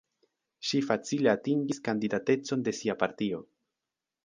Ŝi facile atingis kandidatecon de sia partio.